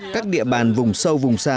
các địa bàn vùng sâu vùng xa